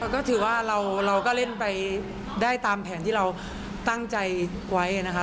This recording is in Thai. ก็ถือว่าเราก็เล่นไปได้ตามแผนที่เราตั้งใจไว้นะคะ